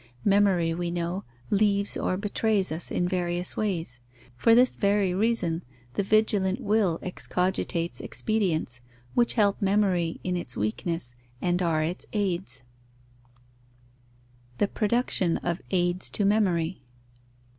Memory, we know, leaves or betrays us in various ways. For this very reason, the vigilant will excogitates expedients, which help memory in its weakness, and are its aids. _The production of aids to memory.